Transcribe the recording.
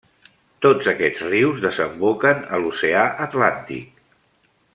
Tots aquests rius desemboquen a l'oceà Atlàntic.